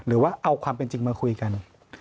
หรือว่าเอาความเป็นจริงมาคุยกัน